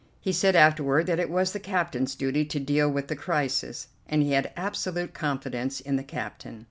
He said afterward that it was the captain's duty to deal with the crisis, and he had absolute confidence in the captain.